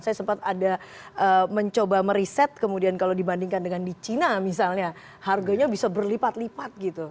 saya sempat ada mencoba meriset kemudian kalau dibandingkan dengan di china misalnya harganya bisa berlipat lipat gitu